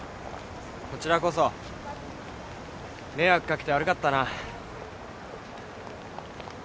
こちらこそ迷惑掛けて悪かったな。